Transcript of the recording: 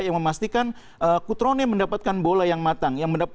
yang memastikan kutrone mendapatkan bola yang matang